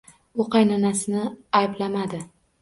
U qaynonasini ayblamadi